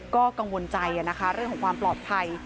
ก็กังวลใจนะคะเรื่องของความปลอดภัย